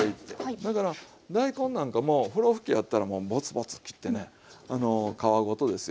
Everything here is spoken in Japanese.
だから大根なんかもふろふきやったらもうボツボツ切ってね皮ごとですよ。